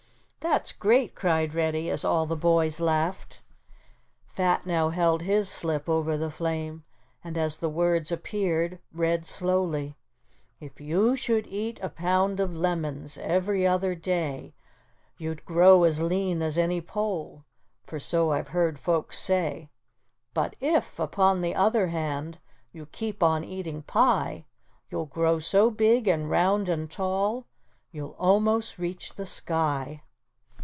"That's great," cried Reddy as all the boys laughed. Fat now held his slip over the flame, and, as the words appeared read slowly: "If you should eat a pound of lemons every other day, You'd grow as lean as any pole, for so I've heard folks say; But if, upon the other hand, you keep on eating pie, You'll grow so big and round and tall, you'll almost reach the sky."